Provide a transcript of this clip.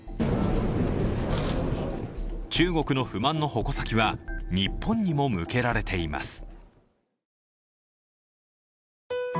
中国の不満の矛先は日本にも向けられています。